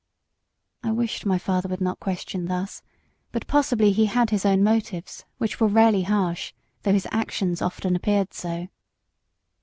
I wished my father would not question thus; but possibly he had his own motives, which were rarely harsh, though his actions often appeared so.